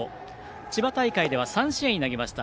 千葉大会では３試合投げました。